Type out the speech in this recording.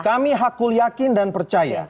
kami hakul yakin dan percaya